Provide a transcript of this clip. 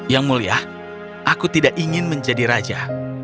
yang mulia aku tidak ingin menjadi raja